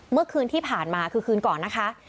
เมื่อคืนที่ผ่านมาคือคืนก่อนนะคะ